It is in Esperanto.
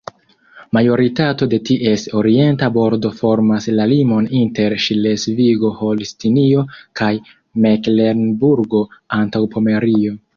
Majoritato de ties orienta bordo formas la limon inter Ŝlesvigo-Holstinio kaj Meklenburgo-Antaŭpomerio.